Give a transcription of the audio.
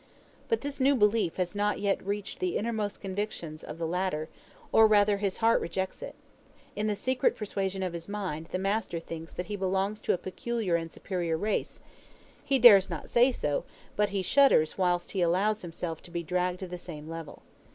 But this new belief has not yet reached the innermost convictions of the latter, or rather his heart rejects it; in the secret persuasion of his mind the master thinks that he belongs to a peculiar and superior race; he dares not say so, but he shudders whilst he allows himself to be dragged to the same level.